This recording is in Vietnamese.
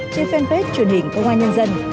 trên fanpage truyền hình công an nhân dân